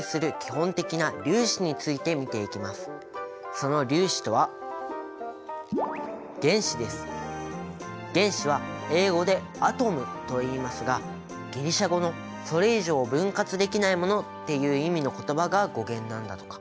その粒子とは原子は英語でａｔｏｍと言いますがギリシア語の「それ以上分割できないもの」っていう意味の言葉が語源なんだとか。